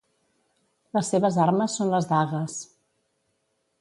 Les seves armes són les dagues.